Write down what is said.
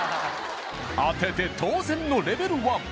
当てて当然のレベル